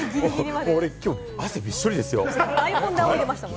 俺、今日、汗びっしょりですよ。